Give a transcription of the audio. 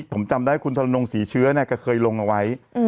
ผมจำได้ว่าคุณธรนงศรีเชื้อก็เคยลงเอาไว้